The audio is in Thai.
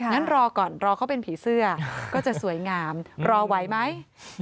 งั้นรอก่อนรอเขาเป็นผีเสื้อก็จะสวยงามรอไหวไหม